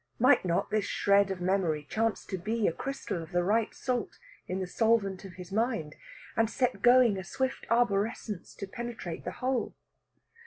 Might not this shred of memory chance to be a crystal of the right salt in the solvent of his mind, and set going a swift arborescence to penetrate the whole?